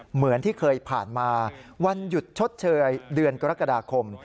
เหมือนที่เคยผ่านมาวันหยุดชดเชยเดือนกรกฎาคม